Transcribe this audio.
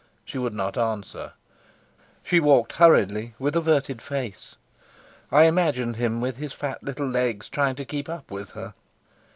She would not answer; she walked hurriedly, with averted face. I imagined him with his fat little legs trying to keep up with her.